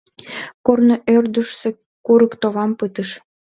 Корно ӧрдыжсӧ курык товам пытыш.